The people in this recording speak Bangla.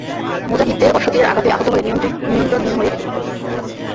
মুজাহিদদের অশ্ব তীরের আঘাতে আহত হয়ে নিয়ন্ত্রণহীন হয়ে এলোপাথাড়ি দৌড়তে থাকে।